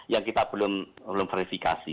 yang kita belum verifikasi